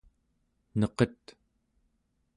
neqet